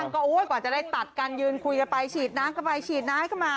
ทางก็อ้วยกว่าจะได้ตัดกันยืนคุยกันไปฉีดน้ำกันไปฉีดน้ำให้เข้ามา